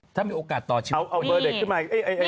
ถ้ามีโอกาสต่อชีวิตคนยี่